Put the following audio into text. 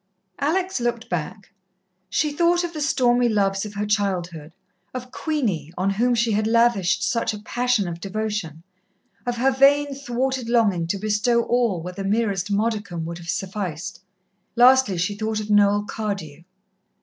Alex looked back. She thought of the stormy loves of her childhood; of Queenie, on whom she had lavished such a passion of devotion; of her vain, thwarted longing to bestow all where the merest modicum would have sufficed; lastly, she thought of Noel Cardew.